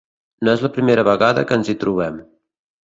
No és la primera vegada que ens hi trobem.